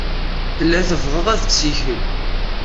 Tella tebɣa ad tessikel.